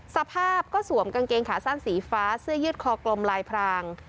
สภาพก็สวมกางเกงขาสั้นสีฟ้าเสื้อยืดคอกลมลายพราง